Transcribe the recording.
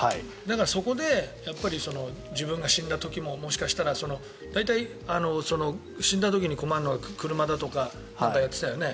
そこで、自分が死んだ時ももしかしたら大体、死んだ時に困るのは車だとか、なんかやってたよね。